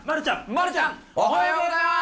丸ちゃん、おはようございます。